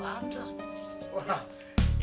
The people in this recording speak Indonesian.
lupa bawa apaan tuh